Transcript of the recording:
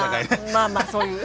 まあまあそういう。